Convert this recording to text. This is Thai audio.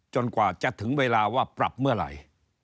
กว่าจะถึงเวลาว่าปรับเมื่อไหร่